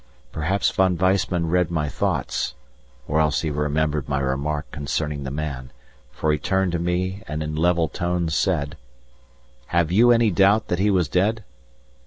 Perhaps Von Weissman read my thoughts, or else he remembered my remark concerning the man, for he turned to me and in level tones said: "Have you any doubt that he was dead?"